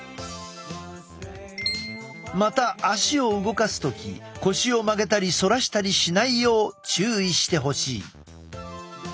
また足を動かす時腰を曲げたり反らしたりしないよう注意してほしい。